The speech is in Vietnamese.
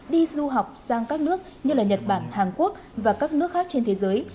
đi du học sang các nước như là nhật bản hàn quốc và các nước khác trên thế giới